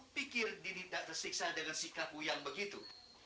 berdiri tak tersiksa dengan sikapku yang begitu